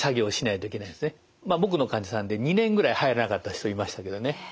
僕の患者さんで２年ぐらい入らなかった人いましたけどね。